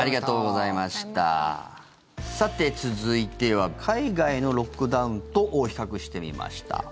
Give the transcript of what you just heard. さて、続いては海外のロックダウンと比較してみました。